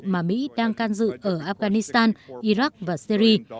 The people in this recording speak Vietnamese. mà mỹ đang can dự ở afghanistan iraq và syri